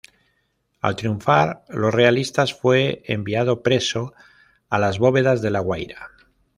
Al triunfar los realistas, fue enviado preso a las bóvedas de La Guaira.